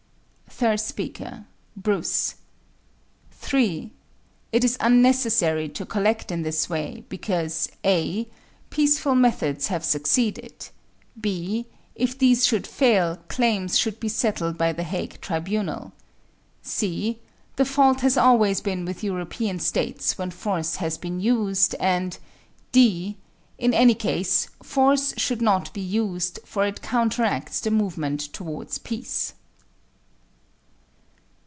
Third speaker Bruce 3. It is unnecessary to collect in this way, because (a) Peaceful methods have succeeded (b) If these should fail, claims should be settled by The Hague Tribunal (c) The fault has always been with European States when force has been used, and (d) In any case, force should not be used, for it counteracts the movement towards peace.